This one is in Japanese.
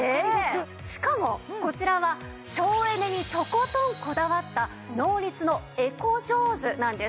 しかもこちらは省エネにとことんこだわったノーリツのエコジョーズなんです。